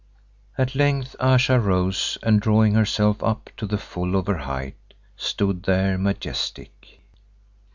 At length Ayesha rose and drawing herself up to the full of her height, stood there majestic.